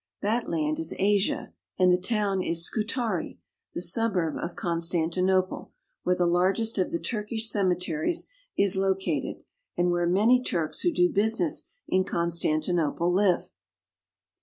That land is Asia, and the town is Scutari, the suburb of Con stantinople, where the largest of the Turkish cemeteries is located, and where many Turks who do business in Con stantinople live.